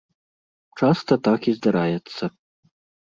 Часта так і здараецца.